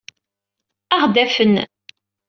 Ad aɣ-d-afen.